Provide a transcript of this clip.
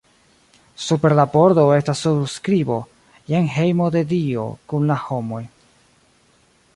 Super la pordo estas surskribo: Jen hejmo de Dio kun la homoj.